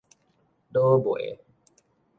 老梅